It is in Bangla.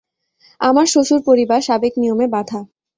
আমার শ্বশুর-পরিবার সাবেক নিয়মে বাঁধা।